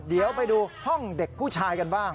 เดี๋ยวไปดูห้องเด็กผู้ชายกันบ้าง